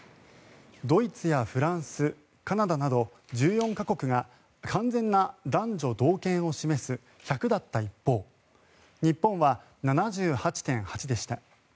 ドイツやフランス、カナダなど１４か国が完全な男女同権を示す１００だった一方日本は７８．８でした。